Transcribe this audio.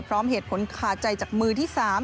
พร้อมเหตุผลขาใจจากมือที่๓